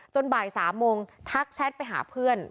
บ่าย๓โมงทักแชทไปหาเพื่อน